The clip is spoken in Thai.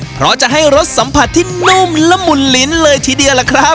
เพราะจะให้รสสัมผัสที่นุ่มละมุนลิ้นเลยทีเดียวล่ะครับ